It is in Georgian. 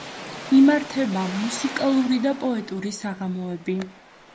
იმართება მუსიკალური და პოეტური საღამოები.